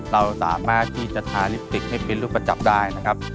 เราสามารถที่จะทาลิปติกให้เป็นรูปกระจับได้นะครับ